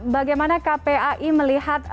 bagaimana kpai melihat